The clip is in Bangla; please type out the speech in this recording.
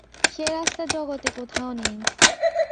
সে রাস্তা জগতে কোথাও নেই।